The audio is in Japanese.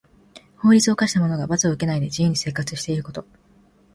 法律を犯した者が罰を受けないで自由に生活していること。